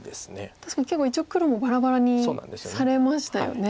確かに結構一応黒もばらばらにされましたよね。